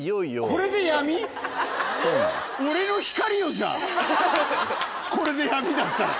これで闇だったら。